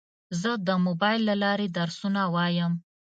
زه د موبایل له لارې درسونه وایم.